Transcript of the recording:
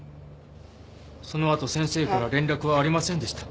そのあと先生から連絡はありませんでした。